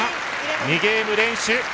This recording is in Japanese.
２ゲーム連取。